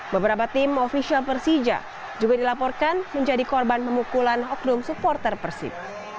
beberapa tim ofisial persija juga dilaporkan menjadi korban pemukulan oknum supporter persib